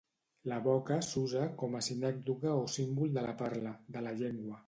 La boca s'usa com a sinècdoque o símbol de la parla, de la llengua.